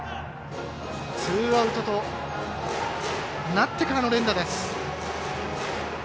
ツーアウトとなってからの連打です。